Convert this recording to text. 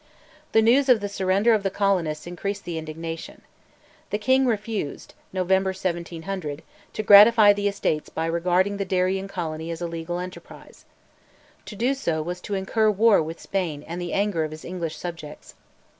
The news of the surrender of the colonists increased the indignation. The king refused (November 1700) to gratify the Estates by regarding the Darien colony as a legal enterprise. To do so was to incur war with Spain and the anger of his English subjects.